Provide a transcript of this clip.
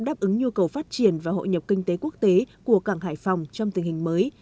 đáp ứng nhu cầu phát triển và hội nhập kinh tế quốc tế của cảng hải phòng trong tình hình mới